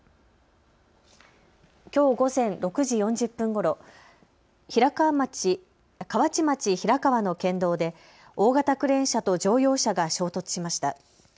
きょう午前６時４０分ごろ、河内町平川の県道で大型クレーン車と乗用車が衝突しました。